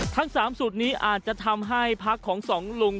ทั้ง๓สูตรนี้อาจจะทำให้พักของสองลุง